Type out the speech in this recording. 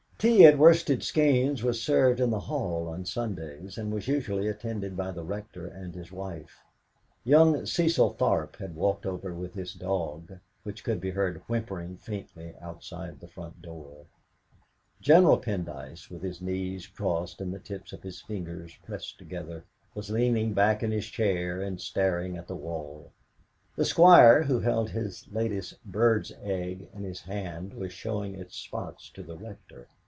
Tea at Worsted Skeynes was served in the hall on Sundays, and was usually attended by the Rector and his wife. Young Cecil Tharp had walked over with his dog, which could be heard whimpering faintly outside the front door. General Pendyce, with his knees crossed and the tips of his fingers pressed together, was leaning back in his chair and staring at the wall. The Squire, who held his latest bird's egg in his hand, was showing its spots to the Rector.